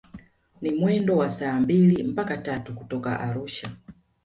Ni mwendo wa saa mbili mpaka tatu kutoka Arusha